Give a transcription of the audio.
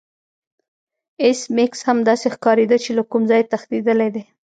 ایس میکس هم داسې ښکاریده چې له کوم ځای تښتیدلی دی